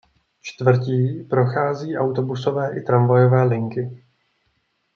Čtvrtí prochází autobusové i tramvajové linky.